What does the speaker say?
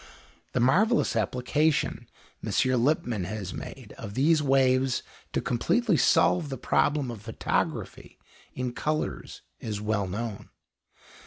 The marvellous application M. Lippmann has made of these waves to completely solve the problem of photography in colours is well known.